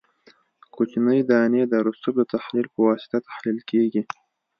کوچنۍ دانې د رسوب د تحلیل په واسطه تحلیل کیږي